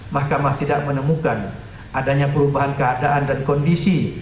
mahkamah tidak menemukan adanya perubahan keadaan dan kondisi